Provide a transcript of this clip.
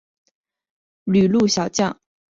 旅陆小将回来传承篮球梦